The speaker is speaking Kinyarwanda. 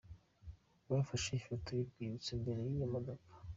Bafashe ifoto y'urwibutso imbere y'iyo modoka.